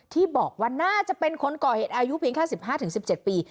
ที่บอกว่าน่าจะเป็นคนก่อเหตุอายุเพียงแค่๑๕๑๗ปี